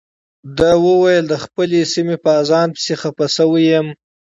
ده وویل د خپلې سیمې په اذان پسې خپه شوی یم.